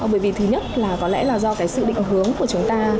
bởi vì thứ nhất là có lẽ là do cái sự định hướng của chúng ta